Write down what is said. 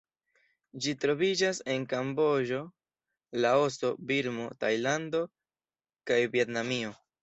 Ĝi troviĝas en Kamboĝo, Laoso, Birmo, Tajlando, kaj Vjetnamio.